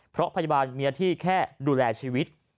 เพราะพยาบาลมีหน้าที่แค่ดูแลชีวิต